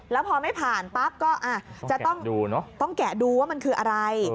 แล้วพอไม่ผ่านปั๊บก็จะต้องแกะดูว่ามันคืออะไร